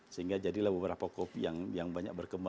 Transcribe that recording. sehingga jadilah beberapa kopi yang banyak berkembang